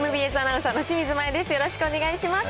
よろしくお願いします。